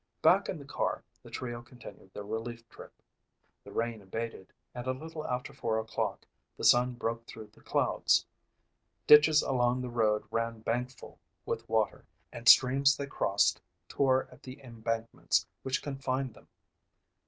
Back in the car, the trio continued their relief trip. The rain abated and a little after four o'clock the sun broke through the clouds. Ditches along the road ran bankful with water and streams they crossed tore at the embankments which confined them.